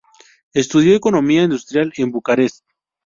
Estudió economía industrial en Bucarest.